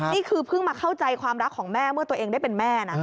นี่คือเพิ่งมาเข้าใจความรักของแม่เมื่อตัวเองได้เป็นแม่นะ